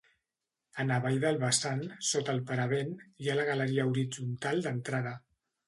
En avall del vessant, sota el paravent, hi ha la galeria horitzontal d'entrada.